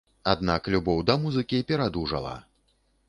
Аднак любоў да музыкі перадужала.